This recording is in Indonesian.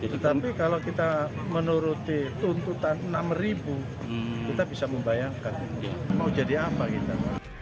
tetapi kalau kita menuruti tuntutan enam ribu kita bisa membayangkan mau jadi apa kita